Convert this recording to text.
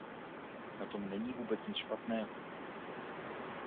Na tom není vůbec nic špatného.